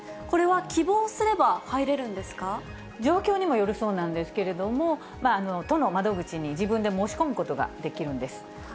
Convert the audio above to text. これは希望すれば入れるんで状況にもよるそうなんですけれども、都の窓口に自分で申し込むことができるんです。